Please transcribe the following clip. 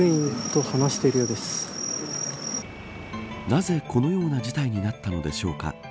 なぜ、このような事態になったのでしょうか。